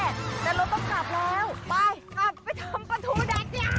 แต่รถต้องกลับแล้วไปไปทำประทูดักเดี๋ยวคุณผู้ชมปล่อย